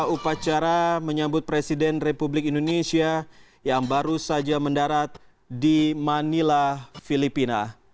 upacara menyambut presiden republik indonesia yang baru saja mendarat di manila filipina